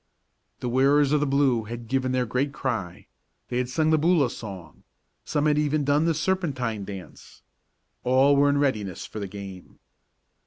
The wearers of the blue had given their great cry they had sung the Boola song some had even done the serpentine dance. All was in readiness for the game.